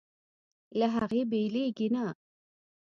له هغې بېلېږي نه.